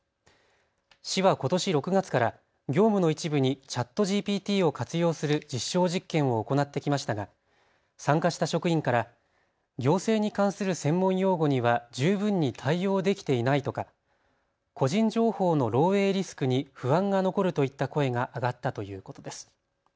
市はことし６月から業務の一部にＣｈａｔＧＰＴを活用する実証実験を行ってきましたが参加した職員から行政に関する専門用語には十分に対応できていないとか、個人情報の漏えいリスクに不安が残るといった声が上がったということです。